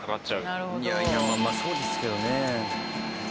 いやいやまあそうですけどね。